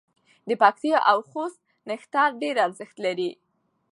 د پکتیا او خوست نښتر ډېر ارزښت لري.